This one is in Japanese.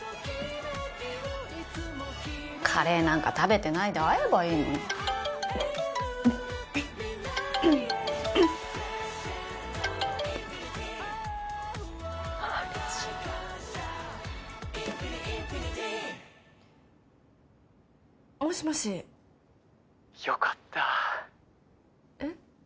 カレーなんか食べてないで会えばいいのに何しもしもし☎よかったえっ？